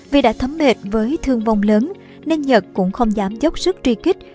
vì đã thấm mệt với thương vong lớn nên nhật cũng không dám dốc sức tri kích